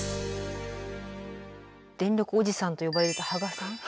電力おじさんと呼ばれていた芳賀さん。